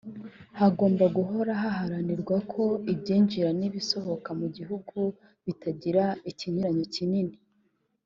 Hagomba guhora haharanirwa ko ibyinjira n’ibisohoka mu gihugu bitagira ikinyuranyo kinini